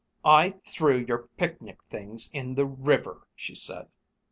"I threw your picnic things in the river," she said.